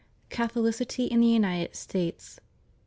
CATHOLICITY IN THE UNITED STATES.